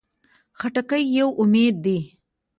خټکی یو امید دی.